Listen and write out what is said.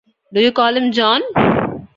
Do you call him 'John'?